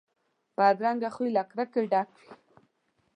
بدرنګه خوی له کرکې ډک وي